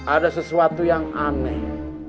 ada sesuatu yang aneh